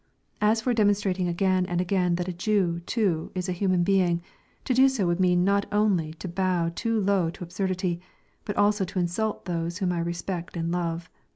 As for demonstrating again and again that a Jew, too, is a human being, to do so would mean not only to bow too low to absurdity, but also to insult those whom I respect and love.